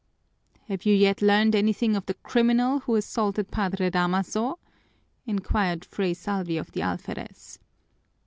"Have you yet learned anything of the criminal who assaulted Padre Damaso?" inquired Fray Salvi of the alferez.